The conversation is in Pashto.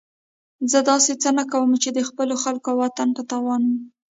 زه داسې څه نه کوم چې د خپلو خلکو او وطن په تاوان وي.